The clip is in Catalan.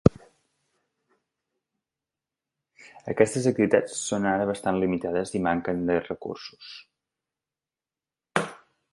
Aquestes activitats són ara bastant limitades i manquen de recursos.